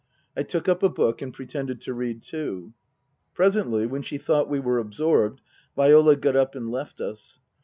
I took up a book and pretended to read too. Presently, when she thought we were absorbed, Viola got up and left us.